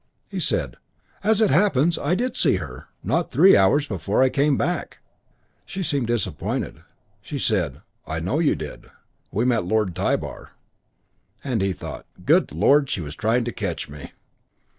He said, "As it happens, I did see her. Not three hours before I came back." She seemed disappointed. She said, "I know you did. We met Lord Tybar." And he thought, "Good lord! She was trying to catch me."